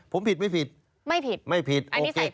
ผมผิดไม่ผิดไม่ผิดอันนี้ใส่ใจ